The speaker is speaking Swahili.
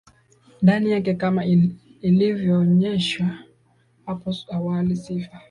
ndani yake Kama ilivyoonyeshwa hapo awali sifa